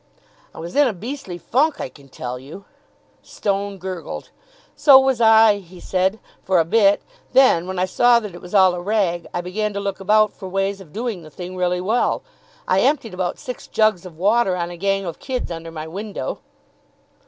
"I was in a beastly funk, I can tell you." Stone gurgled. "So was I," he said, "for a bit. Then, when I saw that it was all a rag, I began to look about for ways of doing the thing really well. I emptied about six jugs of water on a gang of kids under my window."